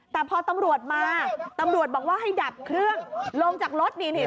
แต่พอตำรวจมาตำรวจบอกว่าให้ดับเครื่องลงจากรถนี่